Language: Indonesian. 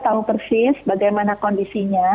tahu persis bagaimana kondisinya